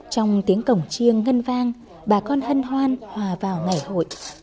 trong tiếng cổng chiêng ngân vang bà con hân hoan hòa vào ngày hội